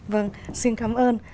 vâng xin cảm ơn